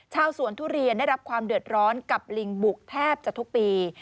ชาวสวนทุเรียนได้รับความเดือดร้อนกับลิงบุกแทบจะทุกปี